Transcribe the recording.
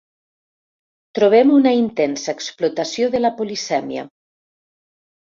Trobem una intensa explotació de la polisèmia.